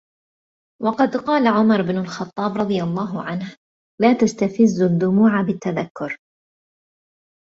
وَقَدْ قَالَ عُمَرُ بْنُ الْخَطَّابِ رَضِيَ اللَّهُ عَنْهُ لَا تَسْتَفِزُّوا الدُّمُوعَ بِالتَّذَكُّرِ